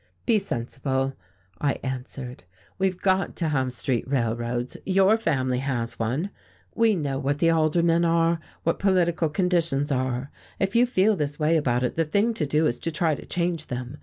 "Be sensible," I answered. "We've got to have street railroads, your family has one. We know what the aldermen are, what political conditions are. If you feel this way about it, the thing to do is to try to change them.